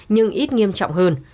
nhưng ít nghiêm trọng hơn